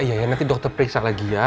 iya ya nanti dokter periksa lagi ya